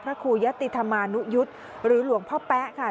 ครูยะติธรรมานุยุทธ์หรือหลวงพ่อแป๊ะค่ะ